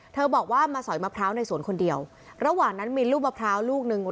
บอกว่ามาสอยมะพร้าวในสวนคนเดียวระหว่างนั้นมีลูกมะพร้าวลูกหนึ่ง